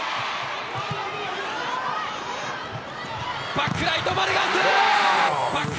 バックライト、バルガス。